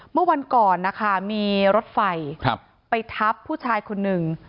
เมื่อวันก่อนนะคะมีรถไฟไปทับผู้ชายคนหนึ่ง